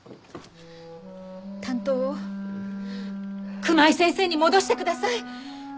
担当を熊井先生に戻してください。